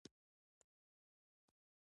هره راډيو او بيسيم مخابراتي سيسټم يې بېلګه ده.